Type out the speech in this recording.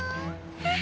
えっ！？